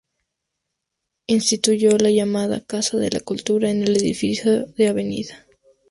Instituyó la llamada "Casa de la Cultura" en el edificio de Av.